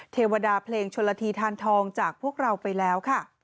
เทวดาเพลงชนละทีทานทองจากพวกเราไปแล้วค่ะ